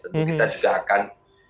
tentu kita juga akan